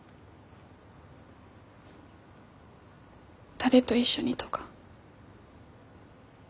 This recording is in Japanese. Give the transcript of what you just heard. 誰と一緒にとか。